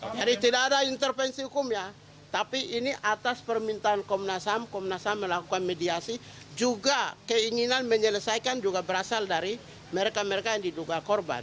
jadi tidak ada intervensi hukum ya tapi ini atas permintaan komnas ham komnas ham melakukan mediasi juga keinginan menyelesaikan juga berasal dari mereka mereka yang diduga korban